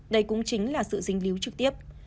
đây cũng chính là sự dính líu trực tiếp